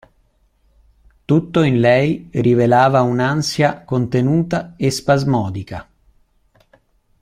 Tutto in lei rivelava un'ansia contenuta e spasmodica.